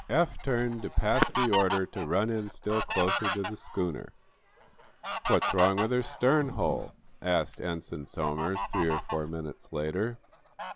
Eph turned to pass the order to run in still closer to the schooner. "What's wrong with her stern hull?" asked Ensign Somers, three or four minutes later.